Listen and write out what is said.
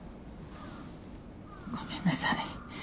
ごめんなさい